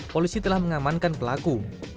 polisi telah mengamankan pelaku